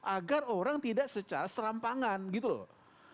agar orang tidak secara serampangan gitu loh